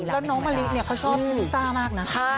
แล้วน้องมาลีเขาชอบซุกตามากนะ